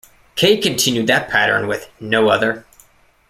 Kaye continued that pattern with "No Other".